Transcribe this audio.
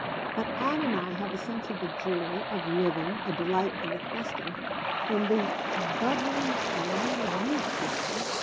But Ann and I have a sense of the joy of living, a delight in the festive, in the the bubbling wine of youth, you know.